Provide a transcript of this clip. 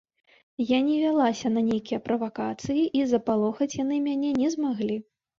Я не вялася на нейкія правакацыі, і запалохаць яны мяне не змаглі.